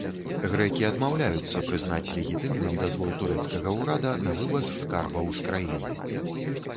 Грэкі адмаўляюцца прызнаць легітымным дазвол турэцкага ўрада на вываз скарбаў з краіны.